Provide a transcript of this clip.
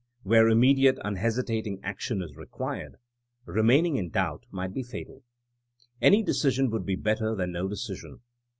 Where immediate, unhesi tating ^ action is required, remaining in doubt mi ^t be fa tal Any decision would be better than no decision.